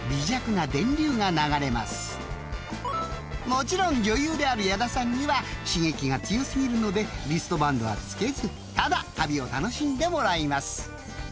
［もちろん女優である矢田さんには刺激が強過ぎるのでリストバンドは着けずただ旅を楽しんでもらいます］